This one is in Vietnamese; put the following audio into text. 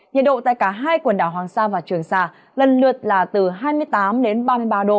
nhiệt độ tại cả hai quần đảo hoàng sa và trường sa lần lượt là từ hai mươi tám đến ba mươi ba độ và từ hai mươi bảy đến ba mươi độ